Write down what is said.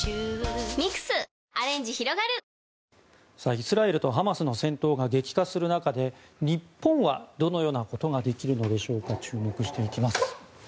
イスラエルとハマスの戦闘が激化する中で日本はどのようなことができるのでしょうか注目していきます。